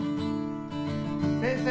・先生！